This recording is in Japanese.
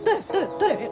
誰？